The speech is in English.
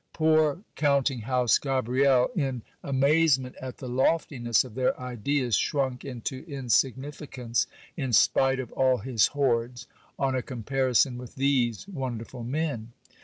Poor counting house Gabriel, in GIL BLAS ENGAGED TO BE MARRIED. 311 amazement at the loftiness of their ideas, shrunk into insignificance, in spite of all his hoards, on a comparison with these wonderful men.